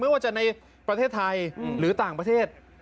ไม่ว่าจะในประเทศไทยหรือต่างประเทศ